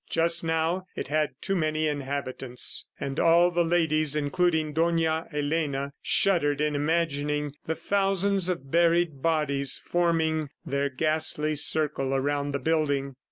Just now it had too many inhabitants. And all the ladies, including Dona Elena, shuddered in imagining the thousands of buried bodies forming their ghastly circle around the building.